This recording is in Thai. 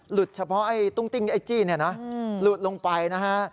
หลุดเฉพาะตุ้งติ้งไอ้จี้หลุดลงไปนะฮะ